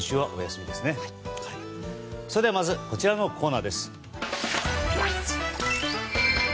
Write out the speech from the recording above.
それではまずこちらのコーナーです。